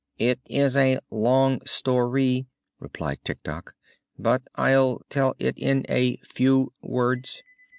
"It is a long sto ry," replied Tik Tok, "but I'll tell it in a few words.